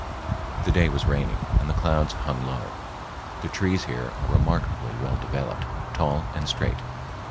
The day was rainy and the clouds hung low. The trees here are remarkably well developed, tall and straight.